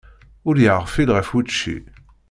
Ur yeɣfil ɣef wučči.